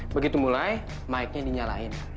begitu mulai mic nya dinyalain